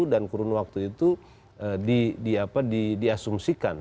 dan kurun waktu itu diasumsikan